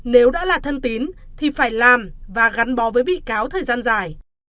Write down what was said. nếu đã là thân tính thì phải làm và gắn bò với bị cáo thời gian dài